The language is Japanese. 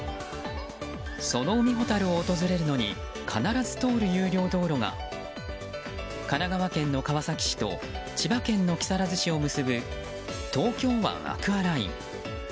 その海ほたるを訪れるのに必ず通る有料道路が神奈川県の川崎市と千葉県の木更津市を結ぶ東京湾アクアライン。